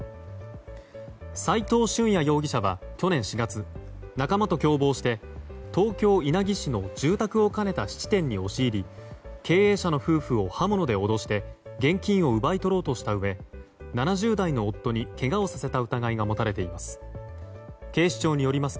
斎藤瞳弥容疑者は去年４月仲間と共謀して東京・稲城市の住宅を兼ねた質店に押し入り経営者の夫婦を刃物で脅して現金を奪い取ろうとしたうえ７０代の夫にけがをさせた疑いが持たれています。